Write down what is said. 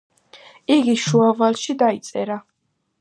იგი შუაველში დაიწერა.